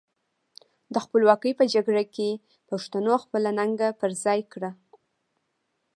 د خپلواکۍ په جګړه کې پښتنو خپله ننګه پر خای کړه.